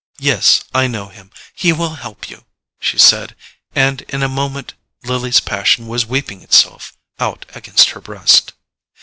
"Yes: I know him; he will help you," she said; and in a moment Lily's passion was weeping itself out against her breast.